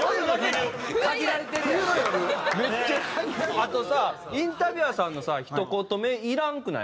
あとさインタビュアーさんのさひと言目いらんくない？